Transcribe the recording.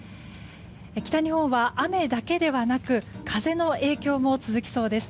北日本は雨だけではなく風の影響も続きそうです。